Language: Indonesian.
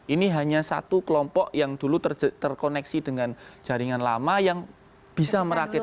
ini hanya satu kelompok yang dulu terkoneksi dengan jaringan lama yang bisa merakit